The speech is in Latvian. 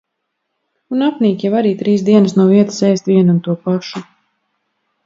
Un apnīk jau arī trīs dienas no vietas ēst vienu un to pašu.